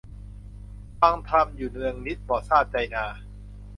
ฟังธรรมอยู่เนืองนิตย์ บ่ทราบ ใจนา